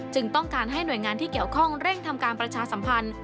ต้องการให้หน่วยงานที่เกี่ยวข้องเร่งทำการประชาสัมพันธ์